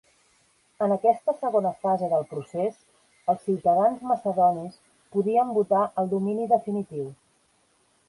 En aquesta segona fase del procés, els ciutadans macedonis podien votar el domini definitiu.